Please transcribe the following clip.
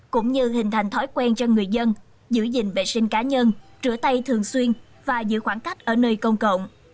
cũng như hình thành thói quen cho người dân giữ gìn vệ sinh cá nhân rửa tay thường xuyên và giữ khoảng cách ở nơi công cộng